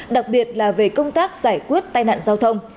đặc biệt là về công tác giải quyết tai nạn giao thông